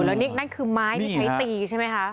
แล้วนี่นั่นคือไม้ที่ใช้ตีใช่ไหมคะ